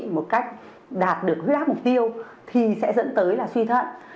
một cách đạt được huyết áp mục tiêu thì sẽ dẫn tới là suy thận